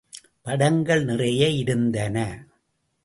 படங்கள் நிறைய இருந்தன.